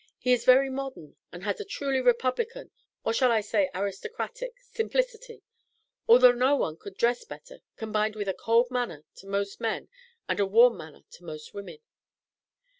He is very modern and has a truly Republican or shall I say aristocratic? simplicity although no one could dress better combined with a cold manner to most men and a warm manner to most women."